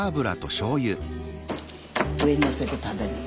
上にのせて食べるの。